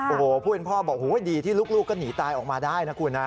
โอ้โหผู้เป็นพ่อบอกดีที่ลูกก็หนีตายออกมาได้นะคุณนะ